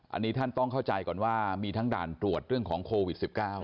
อันนี้ท่านต้องเข้าใจก่อนว่ามีทั้งด่านตรวจเรื่องของโควิด๑๙